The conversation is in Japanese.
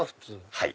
はい。